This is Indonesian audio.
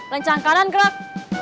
rencang kanan gerak